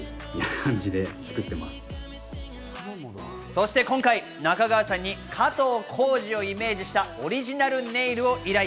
そして今回、Ｎａｋａｇａｗａさんに加藤浩次をイメージしたオリジナルネイルを依頼。